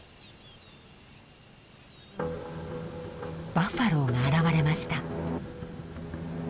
バッファローが現れました。